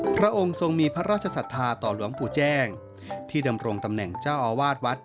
พระองค์ทรงมีพระราชศรัทธาต่อหลวงปู่แจ้งที่ดำรงตำแหน่งเจ้าอาวาสวัด